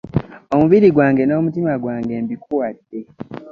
Omubiri gwange n'omutima gwange mbikuwadde.